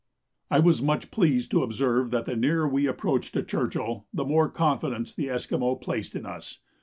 I was much pleased to observe that the nearer we approached to Churchill, the more confidence the Esquimaux placed in us.